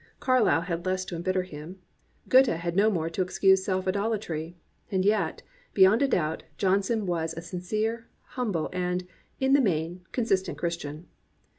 Carlyle had less to embitter him. Goethe had no more to excuse self idolatry. And yet, beyond a doubt, Johnson was a sincere, humble, and, in the main, a consis tent Christian.